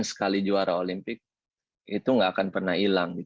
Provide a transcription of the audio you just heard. sekali juara olimpik itu nggak akan pernah hilang